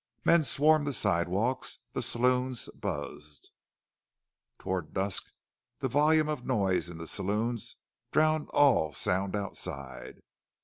Men swarmed the sidewalks; the saloons buzzed. Toward dusk the volume of noise in the saloons drowned all sound outside.